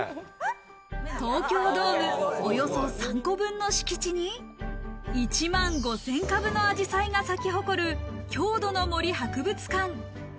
東京ドーム、およそ３個分の敷地に１万５０００株の紫陽花が咲き誇る郷土の森博物館。